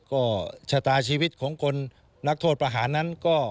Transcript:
ก็ชะตาชีวิตของคนนักโทษประหารนั้นก็